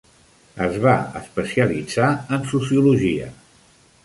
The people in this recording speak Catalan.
Es va especialitzar en sociologia.